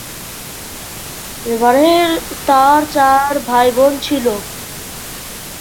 তার চার ভাইবোন ছিল।